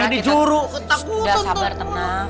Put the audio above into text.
udah sabar tenang